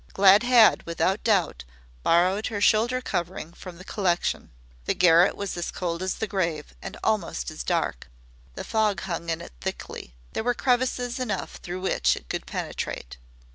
Glad had, without doubt, borrowed her shoulder covering from the collection. The garret was as cold as the grave, and almost as dark; the fog hung in it thickly. There were crevices enough through which it could penetrate.